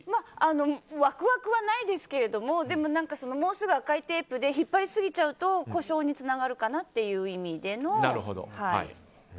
ワクワクはないですけどでも、もうすぐ赤いテープで引っ張り過ぎちゃうと、故障につながるかなという意味での。